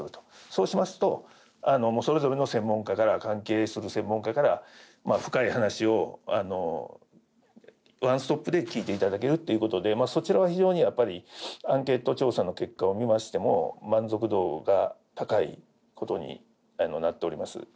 そうしますとそれぞれの関係する専門家から深い話をワンストップで聞いていただけるっていうことでそちらは非常にやっぱりアンケート調査の結果を見ましても満足度が高いことになっております。